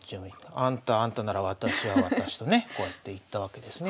あんたはあんたなら私は私とねこうやっていったわけですね。